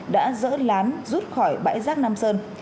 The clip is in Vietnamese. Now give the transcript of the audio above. đã dỡ lán rút khỏi bãi rác nam sơn